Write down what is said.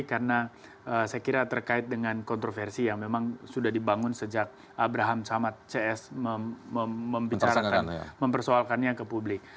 karena saya kira terkait dengan kontroversi yang memang sudah dibangun sejak abraham samad cs mempersoalkannya ke publik